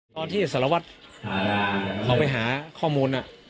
ตอนที่สารวัตรเราไปหาข้อมูล